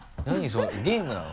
そのゲームなの？